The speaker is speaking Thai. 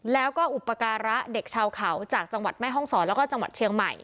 แล้วก็อุปการะเด็กชาวเขาจากจังหวัดแม่ห้องศรแล้วก็จังหวัดเชียงใหม่